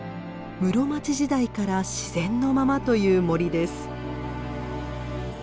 室町時代から自然のままという森です。